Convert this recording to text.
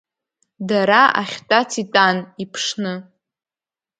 Дара ахьтәац итәан, иԥшны.